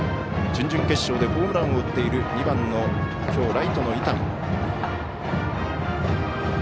準々決勝でホームランを打っている２番のきょうライトの伊丹。